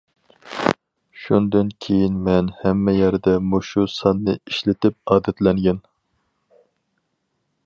شۇندىن كېيىن مەن ھەممە يەردە مۇشۇ ساننى ئىشلىتىپ ئادەتلەنگەن.